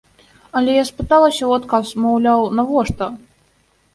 Але я спыталася ў адказ, маўляў, навошта?